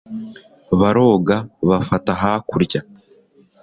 baroga bafata hakurya